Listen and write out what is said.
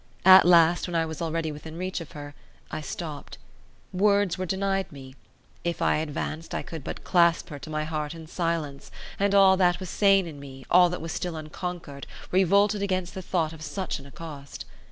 At last, when I was already within reach of her, I stopped. Words were denied me; if I advanced I could but clasp her to my heart in silence; and all that was sane in me, all that was still unconquered, revolted against the thought of such an accost.